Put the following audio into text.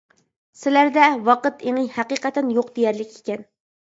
سىلەردە ۋاقىت ئېڭى ھەقىقەتەن يوق دېيەرلىك ئىكەن.